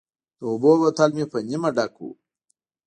د اوبو بوتل مې په نیمه ډک و.